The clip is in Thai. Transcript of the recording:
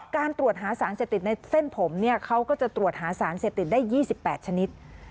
การตรวจหาสารเสพติดในเส้นผมเนี่ยเขาก็จะตรวจหาสารเสพติดได้๒๘ชนิด